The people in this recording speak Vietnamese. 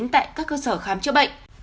tại các cơ sở khám chữa bệnh